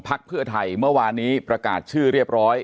เพื่อไทยเมื่อวานนี้ประกาศชื่อเรียบร้อย